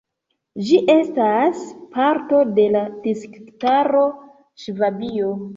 Ĝi estas parto de la distriktaro Ŝvabio.